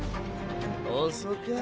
遅か！！